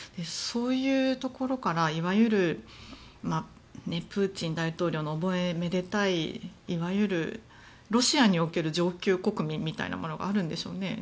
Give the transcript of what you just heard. そういうところからいわゆるプーチン大統領の覚えめでたいロシアにおける上級国民みたいなものがあるんでしょうね。